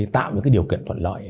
tạo những điều kiện thuận lợi